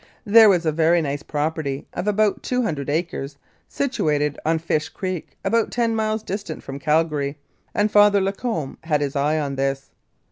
There was a very nice property, of about two hundred acres, situate on Fish Creek, about ten miles distant from Calgary, and Father Lacombe had his eye on this.